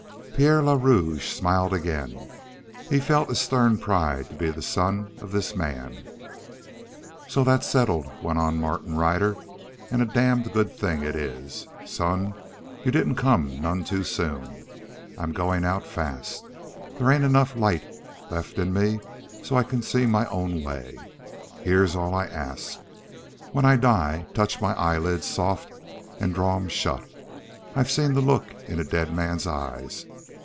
Pierre le Rouge smiled again. He felt a stern pride to be the son of this man. "So that's settled," went on Martin Ryder, "an' a damned good thing it is. Son, you didn't come none too soon. I'm goin' out fast. There ain't enough light left in me so's I can see my own way. Here's all I ask: When I die touch my eyelids soft an' draw 'em shut I've seen the look in a dead man's eyes.